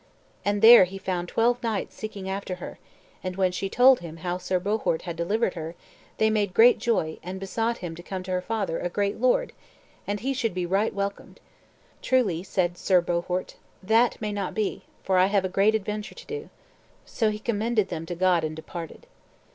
And there he found twelve knights seeking after her; and when she told them how Sir Bohort had delivered her, they made great joy, and besought him to come to her father, a great lord, and he should be right welcomed. "Truly," said Sir Bohort, "that may not be; for I have a great adventure to do." So he commended them to God and departed.